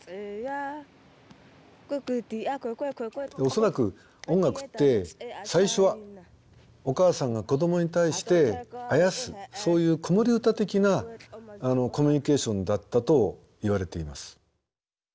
恐らく音楽って最初はお母さんが子どもに対してあやすそういう子守歌的なコミュニケーションだったといわれています。